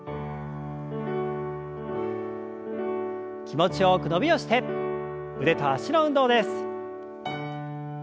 気持ちよく伸びをして腕と脚の運動です。